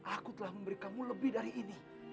aku telah memberi kamu lebih dari ini